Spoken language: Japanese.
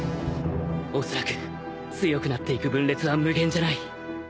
おそらく強くなっていく分裂は無限じゃない